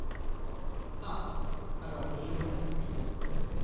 Ah ! alors monsieur nous reste…